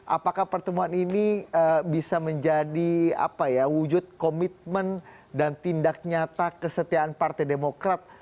apakah pertemuan ini bisa menjadi wujud komitmen dan tindak nyata kesetiaan partai demokrat